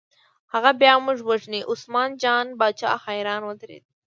هغه بیا موږ وژني، عثمان جان باچا حیران ودرېد.